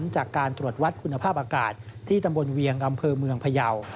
จากการตรวจวัดคุณภาพอากาศที่ตำบลเวียงอำเภอเมืองพยาว